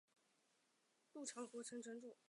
常陆国真壁城城主。